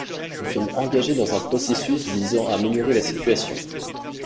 Nous sommes engagés dans un processus visant à améliorer la situation.